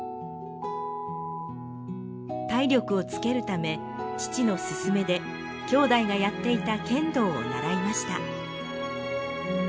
体力をつけるため父の勧めできょうだいがやっていた剣道を習いました。